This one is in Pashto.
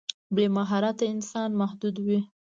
بې مهارته انسان محدود وي.